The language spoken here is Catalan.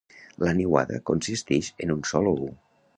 La niuada consistix en un sol ou.